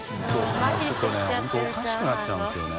舛腓辰箸本当おかしくなっちゃうんですよね。